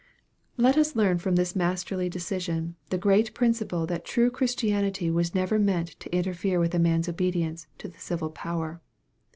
Let us learn from this masterly decision the great principle, that true Christianity was never meant to interfere with a man's obedience to the civil power.